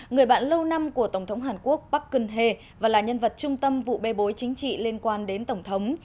người bạn lâu năm của tổng thống hàn quốc park geun hye và là nhân vật trung tâm vụ bê bối chính trị liên quan đến tổng thống